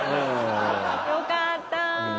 よかった。